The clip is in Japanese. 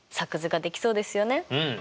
うん。